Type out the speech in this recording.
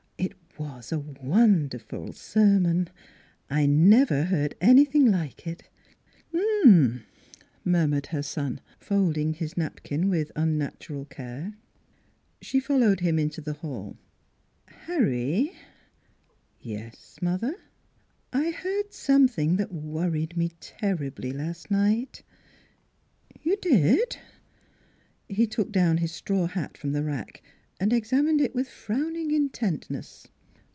" It was a won derful sermon; I never heard anything like it." " Uh huh," murmured her son, folding his nap kin with unnatural care. 237 238 NEIGHBORS She followed him into the hall. "Harry!" " Yes, mother." " I heard something that worried me terribly last night." "You did?" He took down his straw hat from the rack and examined it with frowning intentness.